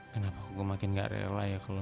kenapa kok makin gak rela ya